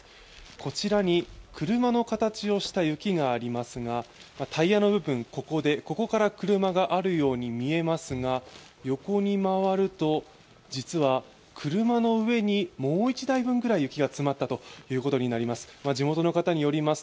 こちらに車の形をした雪がありますがタイヤの部分、ここから車があるように見えますが、横に回ると、実は車の上にもう１台分ぐらい雪が積もったということになります。